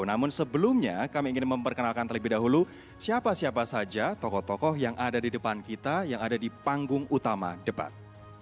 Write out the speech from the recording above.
namun sebelumnya kami ingin memperkenalkan terlebih dahulu siapa siapa saja tokoh tokoh yang ada di depan kita yang ada di panggung utama debat